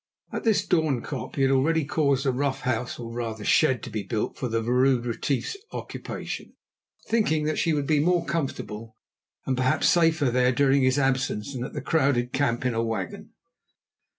At this Doornkop he had already caused a rough house, or rather shed, to be built for the Vrouw Retief's occupation, thinking that she would be more comfortable and perhaps safer there during his absence than at the crowded camp in a wagon.